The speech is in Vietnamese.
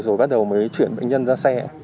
rồi bắt đầu mới chuyển bệnh nhân ra xe